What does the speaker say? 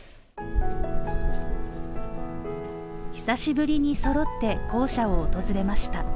久しぶりに、そろって校舎を訪れました。